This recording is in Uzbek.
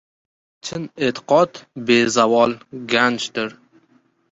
— Chin e’tiqod bezavol ganjdir.